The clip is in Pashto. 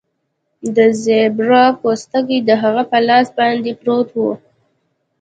د زیبرا پوستکی د هغه په لاس باندې پروت و